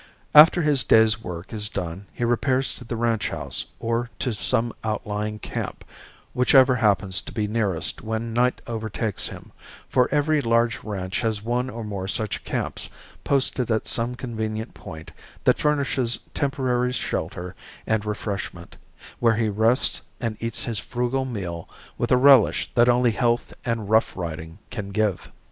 After his day's work is done he repairs to the ranch house, or to some outlying camp, whichever happens to be nearest when night overtakes him, for every large ranch has one or more such camps posted at some convenient point that furnishes temporary shelter and refreshment, where he rests and eats his frugal meal with a relish that only health and rough riding can give.